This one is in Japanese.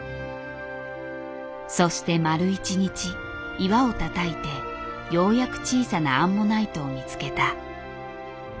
そして丸１日岩をたたいてようやく小さなアンモナイトを見つけた。